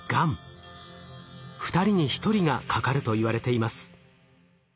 ２人に１人がかかるといわれています。